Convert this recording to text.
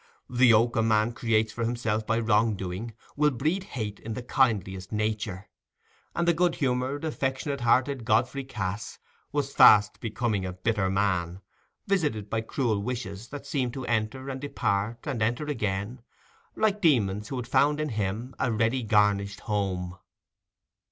The yoke a man creates for himself by wrong doing will breed hate in the kindliest nature; and the good humoured, affectionate hearted Godfrey Cass was fast becoming a bitter man, visited by cruel wishes, that seemed to enter, and depart, and enter again, like demons who had found in him a ready garnished home.